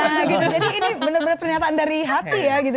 bisa gitu jadi ini benar benar pernyataan dari hati ya gitu